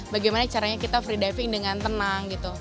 bagaimana caranya kita freediving dengan tenang gitu